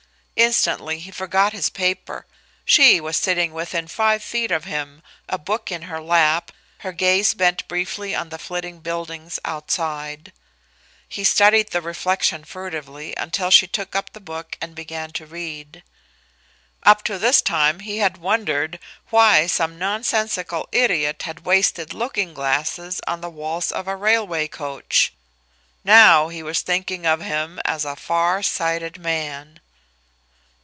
Instantly he forgot his paper. She was sitting within five feet of him, a book in her lap, her gaze bent briefly on the flitting buildings outside. He studied the reflection furtively until she took up the book and began to read. Up to this time he had wondered why some nonsensical idiot had wasted looking glasses on the walls of a railway coach; now he was thinking of him as a far sighted man.